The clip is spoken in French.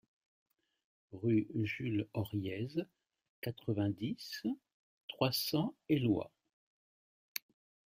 Rue Jules Oriez, quatre-vingt-dix, trois cents Éloie